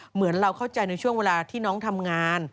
เหมือนเราเข้าใจในช่วงเวลาที่น้องทำงาน